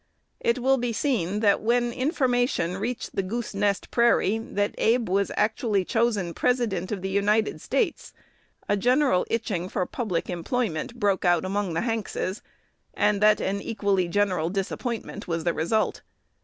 It will be seen, that, when information reached the "Goose Nest Prairie" that Abe was actually chosen President of the United States, a general itching for public employment broke out among the Hankses, and that an equally general disappointment was the result.